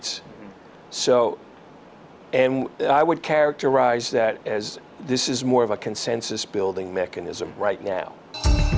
dan saya menggambarkan ini sebagai mekanisme untuk membangun konsensus